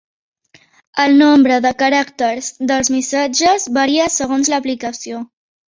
El nombre de caràcters dels missatges varia segons l'aplicació.